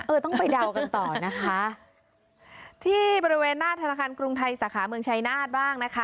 ต้องไปเดากันต่อนะคะที่บริเวณหน้าธนาคารกรุงไทยสาขาเมืองชายนาฏบ้างนะคะ